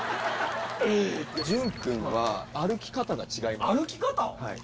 潤君は歩き方が違います。